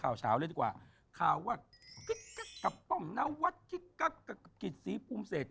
ถ้าจะถอดหลงเท้าส้นสูง